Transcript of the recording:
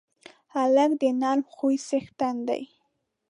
هلک د نرم خوی څښتن دی.